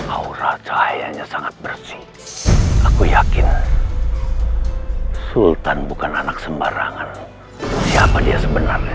aura cahayanya sangat bersih aku yakin sultan bukan anak sembarangan siapa dia sebenarnya